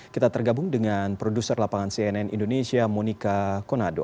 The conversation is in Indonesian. kita tergabung dengan produser lapangan cnn indonesia monika konado